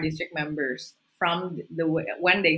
dari ketika mereka memulai